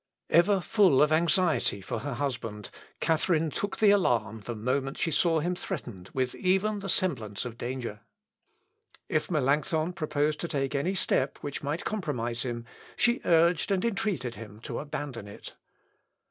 Ever full of anxiety for her husband, Catharine took the alarm the moment she saw him threatened with even the semblance of danger. If Melancthon proposed to take any step which might compromise him, she urged and entreated him to abandon it.